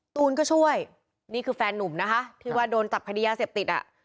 ตูนก็ช่วยนี่คือแฟนนุ่มนะคะที่ว่าโดนจับคดียาเสพติดอ่ะ